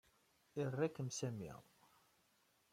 Ira-kem Sami.